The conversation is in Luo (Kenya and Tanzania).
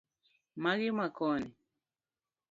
Magi ma koni